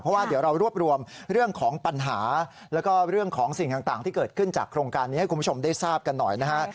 เพราะว่าเดี๋ยวเรารวบรวมเรื่องของปัญหาแล้วก็เรื่องของสิ่งต่างที่เกิดขึ้นจากโครงการนี้ให้คุณผู้ชมได้ทราบกันหน่อยนะฮะ